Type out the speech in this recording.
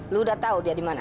lu udah tau dia dimana